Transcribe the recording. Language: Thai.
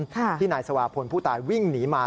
ที่นายสวาพลผู้ตายวิ่งหนีมา